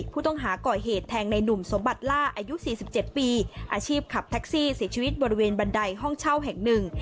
ผู้ต้องหาก่อเหตุแทงในหนุ่มสมบัติล่าอายุ๔๗ปีอาชีพขับแท็กซี่เสียชีวิตบริเวณบันไดห้องเช่าแห่งหนึ่ง